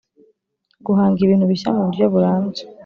Guhanga ibintu bishya mu buryo burambye